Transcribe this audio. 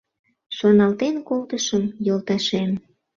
Шоналтен колтышым йолташем